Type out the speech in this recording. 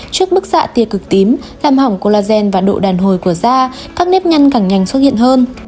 trước bức xạ tia cực tím làm hỏng collagen và độ đàn hồi của da các nếp nhăn càng nhanh xuất hiện hơn